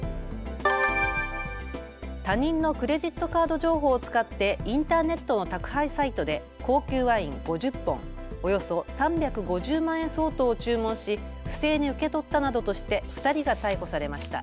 他人のクレジットカード情報を使ってインターネットの宅配サイトで高級ワイン５０本、およそ３５０万円相当を注文し不正に受け取ったなどとして２人が逮捕されました。